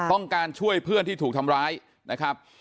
ต้องการช่วยเพื่อนที่ถูกทำร้ายนะครับ